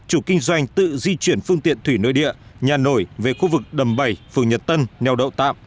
chủ kinh doanh tự di chuyển phương tiện thủy nội địa nhà nổi về khu vực đầm bảy phường nhật tân neo đậu tạm